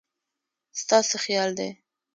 ستا څه خيال دی